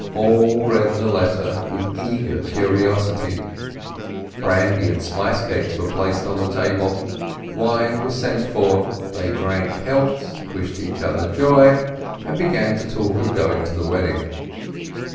All read the letter with eager curiosity, brandy and spice cakes were placed on the table, wine was sent for, they drank healths, wished each other joy, and began to talk of going to the wedding.